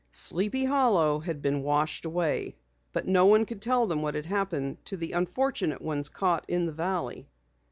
Sleepy Hollow had been washed away, but no one could tell them what had happened to the unfortunate ones caught in the valley.